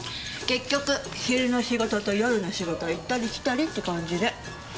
結局昼の仕事と夜の仕事を行ったり来たりって感じで。